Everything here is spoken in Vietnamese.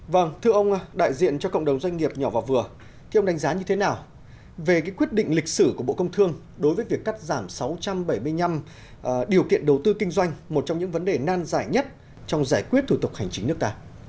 vâng thưa ông đại diện cho cộng đồng doanh nghiệp nhỏ và vừa thưa ông đánh giá như thế nào về quyết định lịch sử của bộ công thương đối với việc cắt giảm sáu trăm bảy mươi năm điều kiện đầu tư kinh doanh một trong những vấn đề nan giải nhất trong giải quyết thủ tục hành chính nước ta